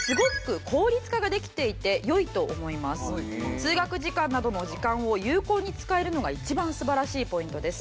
「通学時間などの時間を有効に使えるのが一番素晴らしいポイントです」。